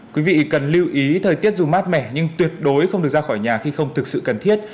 quý vị cần lưu ý thời tiết dù mát mẻ nhưng tuyệt đối không được ra khỏi nhà khi không thực sự cần thiết